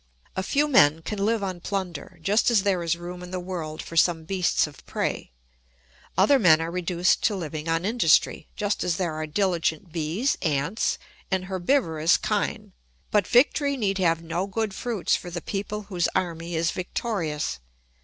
A few men can live on plunder, just as there is room in the world for some beasts of prey; other men are reduced to living on industry, just as there are diligent bees, ants, and herbivorous kine. But victory need have no good fruits for the people whose army is victorious.